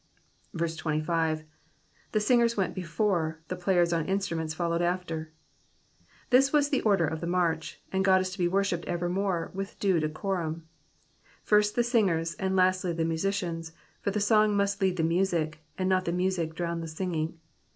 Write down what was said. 25. ^^The fingers vent hefixre, the jAayen on instruments foUmced after.''' Tliis was the order of the march, and God is to be worshipped evermore with due decorum. First the singers, and lastly the musicians, for the song must lead the music, and not the music drown the singing.